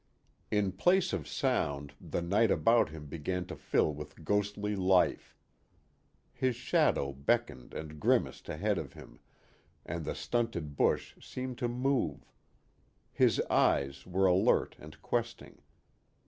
In place of sound the night about him began to fill with ghostly life. His shadow beckoned and grimaced ahead of him, and the stunted bush seemed to move. His eyes were alert and questing.